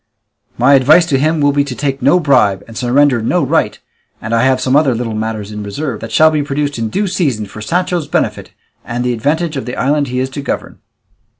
My advice to him will be to take no bribe and surrender no right, and I have some other little matters in reserve, that shall be produced in due season for Sancho's benefit and the advantage of the island he is to govern."